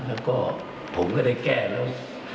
แล้วก็ผมก็ได้แก้แล้ว